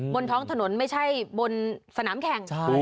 บนท้องถนนไม่ใช่บนสนามแข่ง